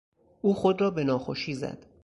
او خود را به ناخوشی زد.